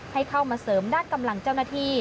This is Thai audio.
ให้เข้ามาเสริมด้านกำลังเจ้าหน้าที่